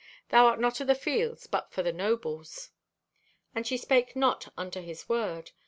Thou art not o' the fields, but for the nobles.' "And she spake not unto his word.